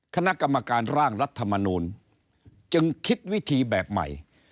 คณะกรรมการร่างรัฐมนูลจึงคิดวิธีแบบใหม่